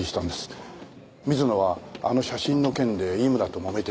水野はあの写真の件で井村ともめていた。